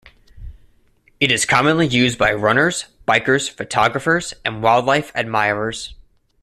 It is commonly used by runners, bikers, photographers, and wildlife admirers.